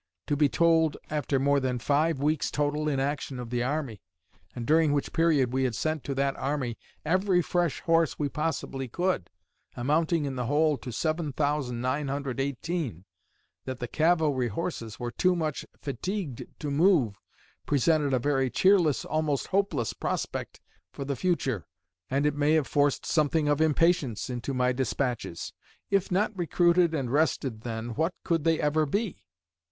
To be told, after more than five weeks' total inaction of the army, and during which period we had sent to that army every fresh horse we possibly could, amounting in the whole to 7,918, that the cavalry horses were too much fatigued to move, presented a very cheerless, almost hopeless, prospect for the future, and it may have forced something of impatience into my despatches. If not recruited and rested then, when could they ever be?